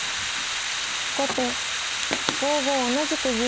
後手５五同じく銀。